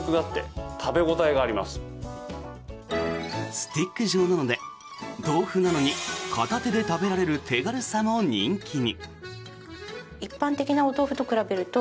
スティック状なので豆腐なのに片手で食べられる手軽さも人気に。